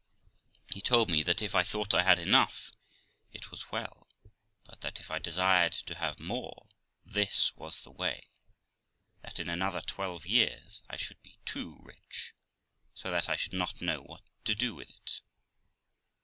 He told me, that if I thought I had enough it was well, but that if I desired to have more, this was the way; that in another twelve years I should be too rich, so that I should not know what to do with it.